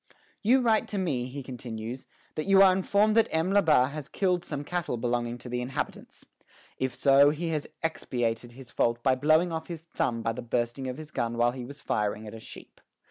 " "You write to me," he continues, "that you are informed that M. Labat has killed some cattle belonging to the inhabitants. If so, he has expiated his fault by blowing off his thumb by the bursting of his gun while he was firing at a sheep.